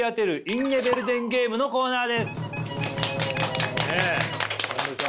インネヴェルデンゲームのコーナー。